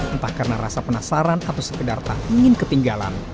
entah karena rasa penasaran atau sekedar tak ingin ketinggalan